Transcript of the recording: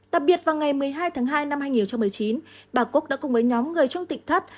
đặc biệt vào ngày một mươi hai tháng hai năm hai nghìn một mươi chín bà cúc đã cùng với nhóm người trong tỉnh thất